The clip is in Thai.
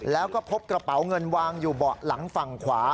แล้วก็พบกระเป๋าเงินวางอยู่เบาะหลังฝั่งขวา